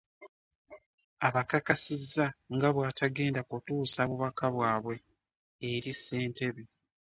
Abakakasizza nga bw'atagenda kutuusa bubaka bwabwe eri Ssentebe